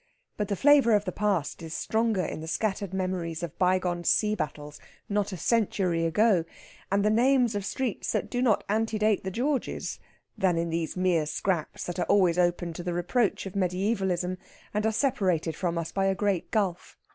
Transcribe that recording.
But the flavour of the past is stronger in the scattered memories of bygone sea battles not a century ago, and the names of streets that do not antedate the Georges, than in these mere scraps that are always open to the reproach of mediævalism, and are separated from us by a great gulf.